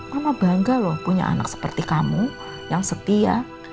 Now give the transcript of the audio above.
kamu bangga loh punya anak seperti kamu yang setia